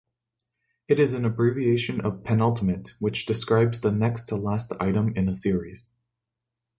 It is an abbreviation of "penultimate", which describes the next-to-last item in a series.